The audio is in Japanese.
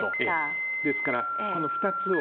ですから、この２つを。